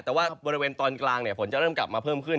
แต่ว่าบริเวณตอนกลางฝนจะเริ่มกลับมาเพิ่มขึ้น